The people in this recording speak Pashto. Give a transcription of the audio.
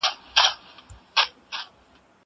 زه اجازه لرم چي سیر وکړم.